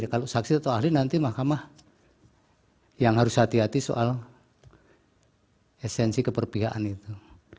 kalau saksi atau ahli nanti mahkamah yang harus hati hati soal esensi keperpihakan itu